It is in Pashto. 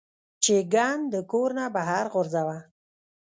چې ګند د کور نه بهر غورځوه -